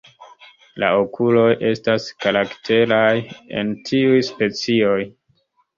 La okuloj estas karakteraj en tiuj specioj.